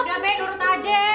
udah be nurut aja